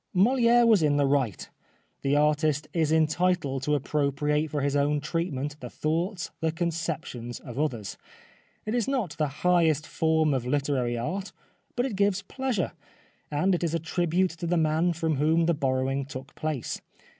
Moliere was in the right. The artist is entitled to appropriate for his own treatment the thoughts, the conceptions of others. It is not the highest form of literary art, but it gives pleasure, and it is a tribute to the man from whom the borrowing took place.